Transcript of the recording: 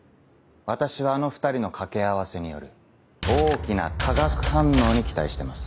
私はあの２人の掛け合わせによる大きな化学反応に期待してます。